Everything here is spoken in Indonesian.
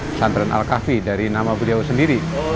pesantren al kahfi dari nama beliau sendiri